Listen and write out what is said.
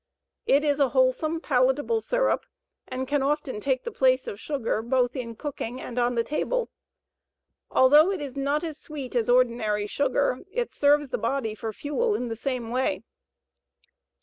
It is a wholesome, palatable syrup and can often take the place of sugar both in cooking and on the table. Although it is not as sweet as ordinary sugar, it serves the body for fuel in the same way.